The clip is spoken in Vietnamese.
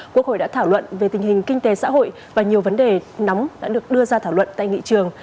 quốc hội đã thảo luận về tình hình kinh tế xã hội và nhiều vấn đề nóng đã được đưa ra thảo luận tại nghị trường